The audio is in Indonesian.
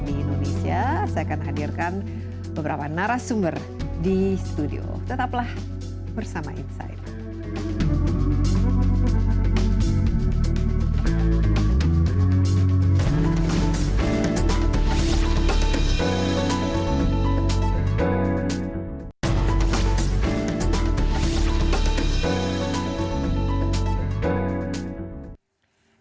di indonesia saya akan hadirkan beberapa narasumber di studio tetaplah bersama insight